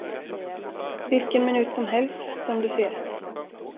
Vilken minut som helst, som du ser.